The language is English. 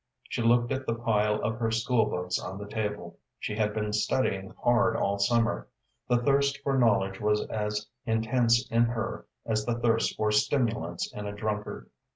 She looked at the pile of her school books on the table. She had been studying hard all summer. The thirst for knowledge was as intense in her as the thirst for stimulants in a drunkard.